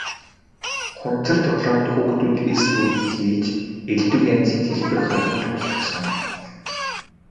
Хуванцар тоглоомд хүүхдүүд элс дүүргэн хийж элдэв янзын хэлбэр гарган тоглодог сон.